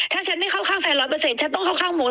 ถ้าฉันไม่เข้าข้างแซนร้อยเปอร์เซ็นต์ฉันต้องเข้าข้างโมส